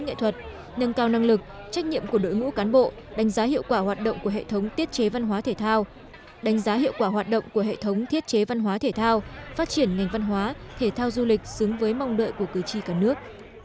các cử tri cũng nhận định sau phiên chất vấn ngành văn hóa cần thẳng thắn tìm ra những giải pháp thiết thực nhằm nâng cao hiệu quả hoạt động của hệ thống thiết chế văn hóa thể thao phát triển ngành văn hóa thể thao du lịch xứng với mong đợi của cử tri cả nước